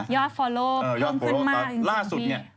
ยอดฟอร์โลยงขึ้นมากจริงพี่ยอดฟอร์โลตอนล่าสุดเนี่ย